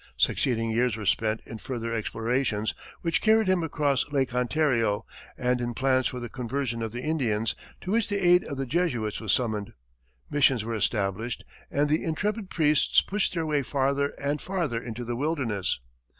Succeeding years were spent in further explorations, which carried him across Lake Ontario, and in plans for the conversion of the Indians, to which the aid of the Jesuits was summoned. Missions were established, and the intrepid priests pushed their way farther and farther into the wilderness.